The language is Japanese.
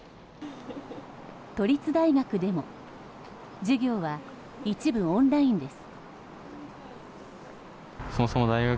都立大学でも授業は一部オンラインです。